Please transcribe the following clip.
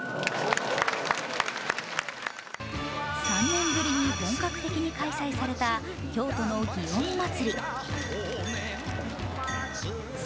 ３年ぶりに本格的に開催された京都の祇園祭。